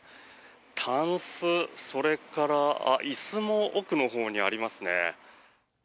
たんす、それから椅子も奥のほうにありますね。